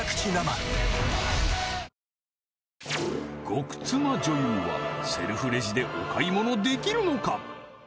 極妻女優はセルフレジでお買い物できるのか？